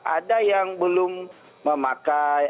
ada yang belum memakai